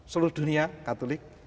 seluruh dunia katolik